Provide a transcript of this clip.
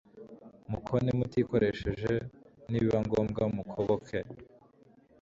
mukone mutikoresheje nibiba ngombwa mukoboke